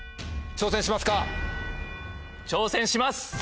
挑戦します！